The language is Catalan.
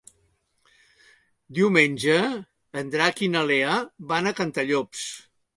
Diumenge en Drac i na Lea van a Cantallops.